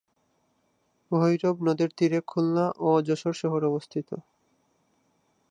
ভৈরব নদের তীরে খুলনা ও যশোর শহর অবস্থিত।